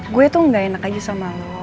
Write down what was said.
gue tuh gak enak aja sama lo